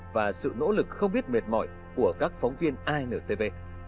và sự nỗ lực không biết mệt mỏi của các phóng viên intv